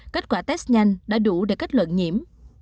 kết quả test nhanh đã đủ để kết luận nhiễm